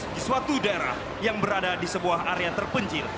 di suatu daerah yang berada di sebuah area terpencil